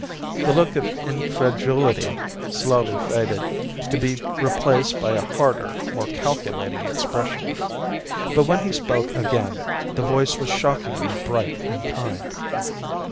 The look of incredulity slowly faded, to be replaced by a harder, more calculating expression. But when he spoke again, his voice was shockingly bright and kind.